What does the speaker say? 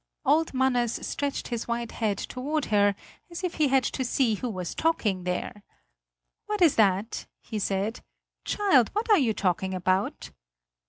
Old Manners stretched his white head toward her, as if he had to see who was talking there: "What is that?" he said; "child, what are you talking about?"